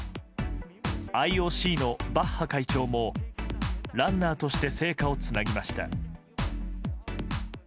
ＩＯＣのバッハ会長もランナーとして聖火をつなぎました。